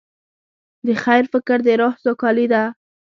د خیر فکر د روح سوکالي ده.